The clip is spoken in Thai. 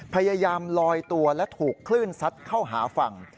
พยายามลอยตัวและถูกคลื่นซัดเข้าหาฝั่ง